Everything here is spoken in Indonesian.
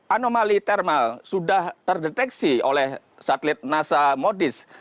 anomali thermal sudah terdeteksi oleh satelit nasa modis